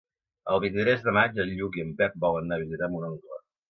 El vint-i-tres de maig en Lluc i en Pep volen anar a visitar mon oncle.